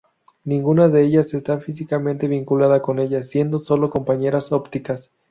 Ninguna de ellas está físicamente vinculada con ella, siendo sólo compañeras ópticas.